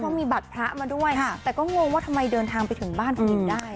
เพราะมีบัตรพระมาด้วยแต่ก็งงว่าทำไมเดินทางไปถึงบ้านคนอื่นได้